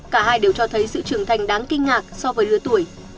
cả hai đều cho thấy sự trưởng thành đáng kinh ngạc so với lứa tuổi